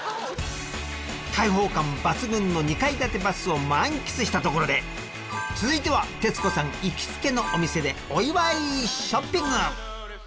開放感抜群の２階建てバスを満喫したところで続いては徹子さん行きつけのお店でお祝いショッピング。